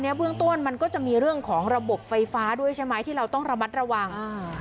มีประชาชนในพื้นที่เขาถ่ายคลิปเอาไว้ได้ค่ะ